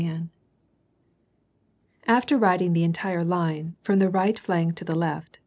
Apteb riding along the entire line, from the right flank to the left.